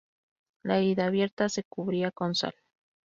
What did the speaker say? La herida abierta se cubría con sal.